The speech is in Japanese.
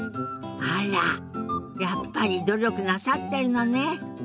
あらやっぱり努力なさってるのね。